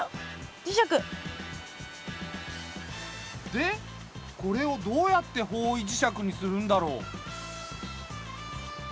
でこれをどうやって方位磁石にするんだろう？